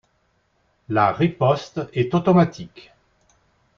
La riposte est automatique.